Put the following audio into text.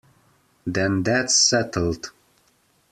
Then that's settled.